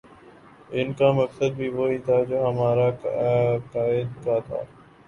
ان کا مقصد بھی وہی تھا جو ہمارے قاہد کا تھا